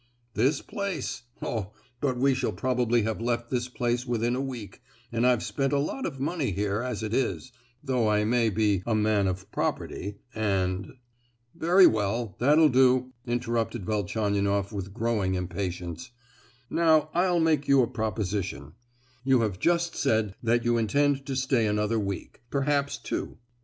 "This place! Oh, but we shall probably have left this place within a week; and I've spent a lot of money here, as it is, though I may be 'a man of property;' and——" "Very well, that'll do," interrupted Velchaninoff with growing impatience, "now, I'll make you a proposition: you have just said that you intend to stay another week—perhaps two.